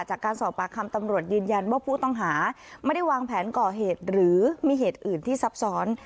จากการสอบปากคำตำรวจยืนยันว่าผู้ต้องหาไม่ได้วางแผนก่อเหตุหรือมีเหตุอื่นที่ซับซ้อน